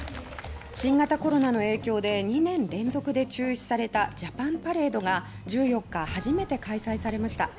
新型コロナの影響で２年連続で中止されたジャパンパレードが１４日初めて開催されました。